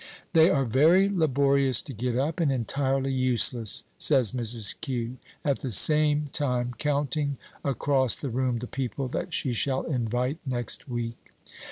"They are very laborious to get up, and entirely useless," says Mrs. Q.; at the same time counting across the room the people that she shall invite next week.